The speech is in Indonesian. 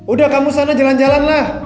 udah kamu sana jalan jalanlah